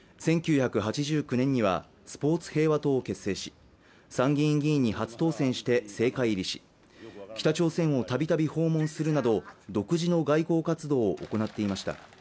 １９８９年にはスポーツ平和党を結成し参議院議員に初当選して政界入りし北朝鮮をたびたび訪問するなど独自の外交活動を行っていました